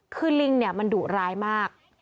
คือลิงมันดุร้ายมาก